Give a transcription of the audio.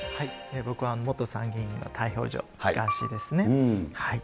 僕は元参議院議員の逮捕状、ガーシーですね。